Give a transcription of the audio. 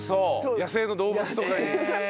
野生の動物とかに。